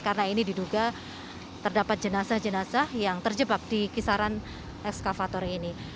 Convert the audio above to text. karena ini diduga terdapat jenazah jenazah yang terjebak di kisaran ekskavator ini